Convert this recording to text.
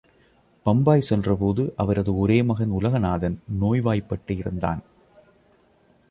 பம்பாய் சென்றபோது, அவரது ஒரே மகன் உலகநாதன் நோய்வாய்பட்டு இருந்தான்.